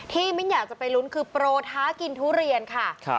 มิ้นอยากจะไปลุ้นคือโปรท้ากินทุเรียนค่ะ